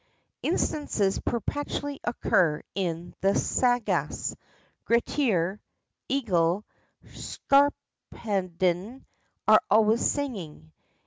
Instances perpetually occur in the Sagas: Grettir, Egil, Skarphedin, are always singing.